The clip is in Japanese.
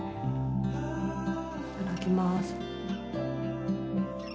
いただきます。